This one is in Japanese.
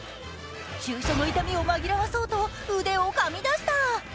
注射の痛みを紛らわそうと、腕をかみだした。